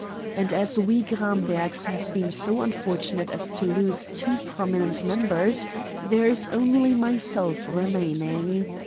And as we Grambergs have been so unfortunate as to lose two prominent members, there is only myself remaining.